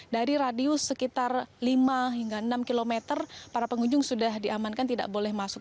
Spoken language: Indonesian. dari radius sekitar lima hingga enam km para pengunjung sudah diamankan tidak boleh masuk